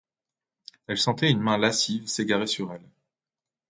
Elle sentait une main lascive s’égarer sur elle.